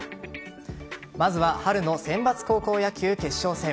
まずは春の選抜高校野球決勝戦。